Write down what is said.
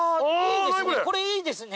何これ⁉いいですね